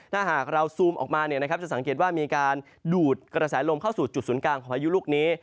ถ้าหากเราซูมออกมาจะสังเกตว่ามีการดูดกระแสลมเข้าสู่จุดศูนย์กลางของพายุลูกนี้